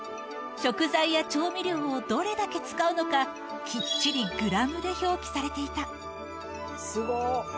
食材や調味料をどれだけ使うのか、きっちりグラムで表記されていた。